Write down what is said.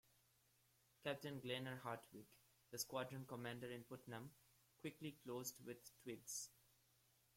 Captain Glenn R. Hartwig, the squadron commander in "Putnam", quickly closed with "Twiggs".